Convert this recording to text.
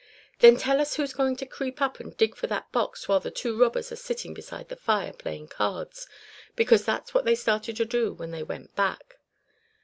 "Then tell us who's going to creep up and dig for that box while the two robbers are sitting beside the fire, playing cards, because that's what they started to do when they went back."